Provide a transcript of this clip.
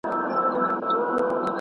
زه به اوږده موده سبزېجات خوړلي وم!؟